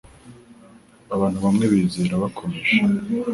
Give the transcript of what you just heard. Abantu bamwe bizera bakomeje